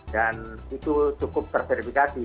dan itu cukup terserifikasi